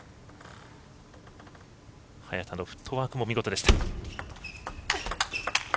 早田のフットワークも見事でした。